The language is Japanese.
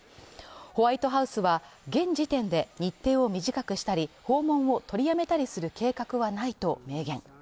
ホワイトハウスは現時点で日程を短くしたり、訪問を取りやめたりする計画はないと明言。